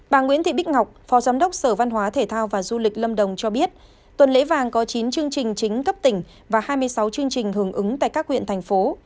bà nguyễn thị bích ngọc phó giám đốc sở văn hóa thể thao và du lịch lâm đồng cho biết tuần lễ vàng có chín chương trình chính cấp tỉnh và hai mươi sáu chương trình hưởng ứng tại các huyện thành phố